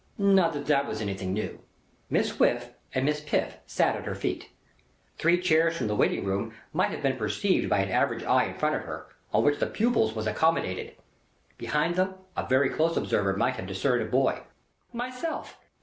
(Not that that was anythink new.) Miss Whiff and Miss Piff sat at her feet. Three chairs from the Waiting Room might have been perceived by a average eye, in front of her, on which the pupils was accommodated. Behind them, a very close observer might have discerned a Boy. Myself.